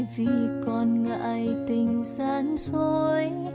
vì còn ngại tình sáng sôi